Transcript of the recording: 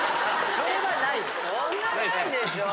そんなないでしょう。